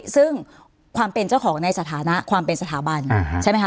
ซึ่งความเป็นเจ้าของในสถานะความเป็นสถาบันใช่ไหมคะ